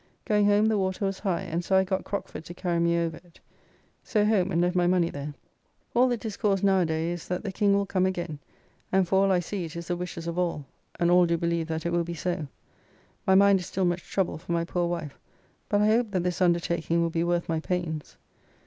Going home the water was high, and so I got Crockford to carry me over it. So home, and left my money there. All the discourse now a day is, that the King will come again; and for all I see, it is the wishes of all; and all do believe that it will be so. My mind is still much troubled for my poor wife, but I hope that this undertaking will be worth my pains.